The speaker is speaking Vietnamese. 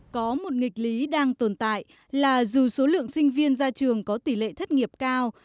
có một nghịch lý đang tồn tại là dù số lượng sinh viên ra trường có tỷ lệ thất nghiệp cao